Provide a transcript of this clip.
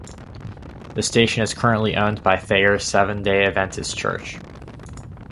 The station is currently owned by Thayer Seventh-day Adventist Church.